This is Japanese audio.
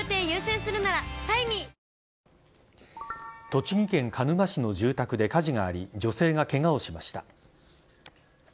栃木県鹿沼市の住宅で火事があり女性がケガをしました。